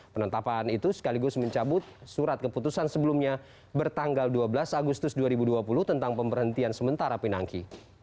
penetapan itu sekaligus mencabut surat keputusan sebelumnya bertanggal dua belas agustus dua ribu dua puluh tentang pemberhentian sementara pinangki